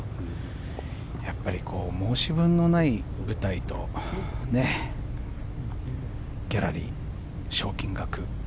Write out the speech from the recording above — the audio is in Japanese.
申し分のない舞台とギャラリー、賞金額。